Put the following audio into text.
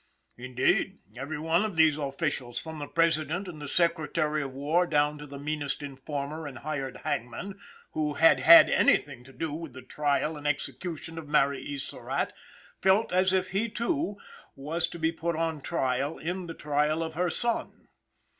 Indeed, every one of these officials, from the President and the Secretary of War down to the meanest informer and hired hangman, who had had anything to do with the trial and execution of Mary E. Surratt, felt as if he, too, was to be put on trial in the trial of her son.